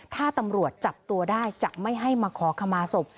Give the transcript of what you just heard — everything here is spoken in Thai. ถ้าตำรวจจับตัวได้จะไม่ให้มาขอขมาศพ